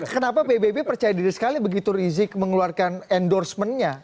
kenapa bbb percaya diri sekali begitu risik mengeluarkan endorsementnya